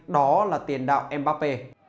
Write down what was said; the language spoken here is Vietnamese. đó là tiền đạo mbappé